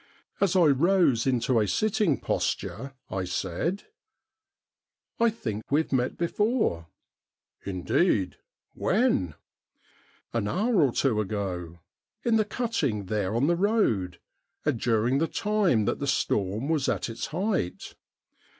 As I rose into a sitting posture I said :' I think we've met before.' ' Indeed ! When ?'' An hour or two ago. In the cutting there on the road, and during the time that the storm was at its height.'